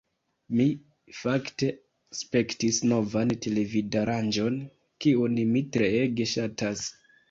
Mi, fakte, spektis novan televidaranĝon kiun mi treege ŝatas